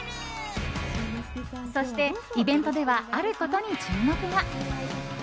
そして、イベントではあることに注目が。